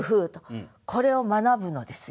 これを学ぶのですよ。